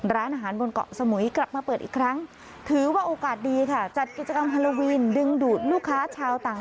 ร้านอาหารบนเกาะสมุยกลับมาเปิดอีกครั้ง